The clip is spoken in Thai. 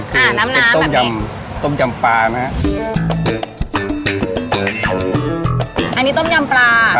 คือเป็นต้มยำปลานะครับ